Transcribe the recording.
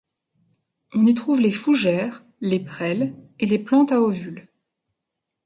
On y trouve les fougères, les prêles et les plantes à ovules.